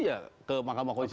ya ke mahkamah koalisi